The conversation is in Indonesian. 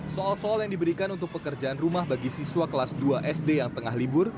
soal soal yang diberikan untuk pekerjaan rumah bagi siswa kelas dua sd yang tengah libur